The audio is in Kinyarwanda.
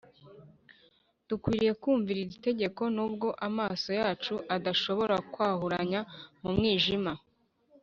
dukwiriye kumvira iri tegeko nubwo amaso yacu adashobora kwahuranya mu mwijima